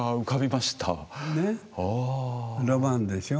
ロマンでしょ。